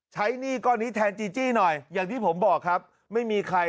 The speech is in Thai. หนี้ก้อนนี้แทนจีจี้หน่อยอย่างที่ผมบอกครับไม่มีใคร